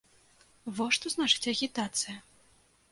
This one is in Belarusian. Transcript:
Во што значыць агітацыя.